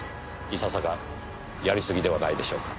いささかやり過ぎではないでしょうか？